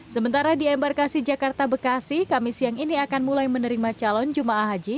sementara di embarkasi jakarta bekasi kami siang ini akan mulai menerima calon jemaah haji